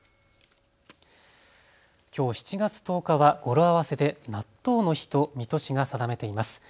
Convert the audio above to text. きょう７月１０日は語呂合わせで納豆の日と水戸市が定めています。